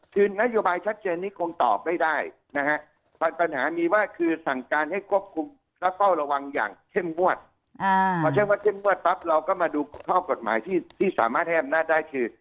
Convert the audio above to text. คือนโยบายชัดเจนนี้คงตอบไม่ได้นะฮะปัญหามีว่าคือสั่งการให้ควบคุมและเฝ้าระวังอย่างเข้มงวดพอเข้มว่าเข้มงวดปั๊บเราก็มาดูข้อกฎหมายที่สามารถให้อำนาจได้คือ